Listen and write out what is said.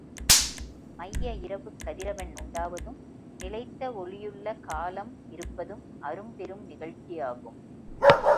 மைய இரவுக் கதிரவன் உண்டாவதும், நிலைத்த ஒளியுள்ள காலம் இருப்பதும் அரும்பெரும் நிகழ்ச்சியாகும்.